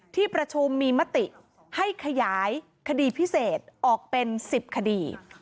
ที่ประชุมมีมติให้ขยายคดีพิเศษออกเป็น๑๐คดี